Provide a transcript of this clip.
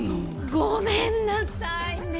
ごめんなさいね。